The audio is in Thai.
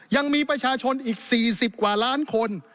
ยังมีประชาชนอีก๔๐กว่าล้านคน